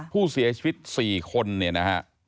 ผู้เสียชีวิต๔คนเนี่ยนะฮะ